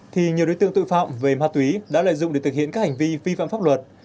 thì nhiều đối tượng tội phạm về ma túy đã lợi dụng để thực hiện các hành vi vi phạm pháp luật